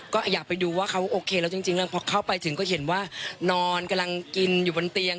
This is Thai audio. ก็อยากไปดูว่าเขาโอเคแล้วจริงแล้วพอเข้าไปถึงก็เห็นว่านอนกำลังกินอยู่บนเตียง